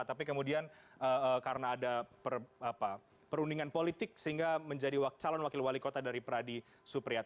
tapi kemudian karena ada perundingan politik sehingga menjadi calon wakil wali kota dari pradi supriyat